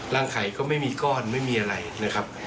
ไข่ก็ไม่มีก้อนไม่มีอะไรนะครับ